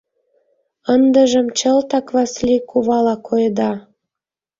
— Ындыжым чылтак Васли кувала койыда!